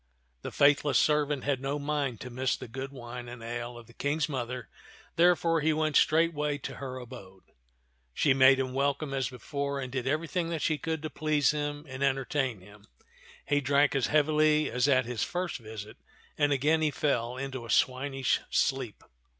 The faithless servant had no mind to miss the good wine and ale of the King's mother, therefore he went straightway to her abode. She made him welcome as before and did every thing that she could to please him and entertain him. He drank as heavily as at his first visit, and again he fell into a swinish sleep.